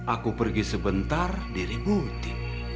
aku pergi sebentar diributi